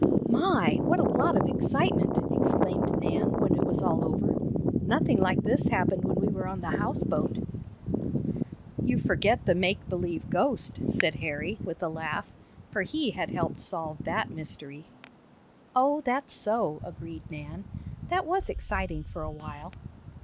"My! What a lot of excitement!" exclaimed Nan, when it was all over. "Nothing like this happened when we were on the houseboat." "You forget the make believe ghost," said Harry, with a laugh, for he had helped solve that mystery. "Oh, that's so," agreed Nan. "That was exciting for a while."